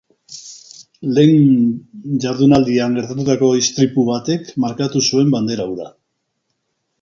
Lehen jardunaldian gertatutako istripu batek markatu zuen bandera hura.